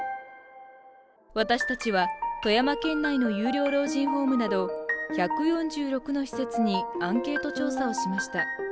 私達は富山県内の有料老人ホームなど１４６の施設にアンケート調査をしました。